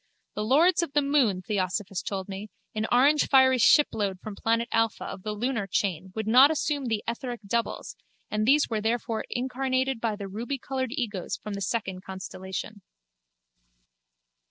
The lords of the moon, Theosophos told me, an orangefiery shipload from planet Alpha of the lunar chain would not assume the etheric doubles and these were therefore incarnated by the rubycoloured egos from the second constellation.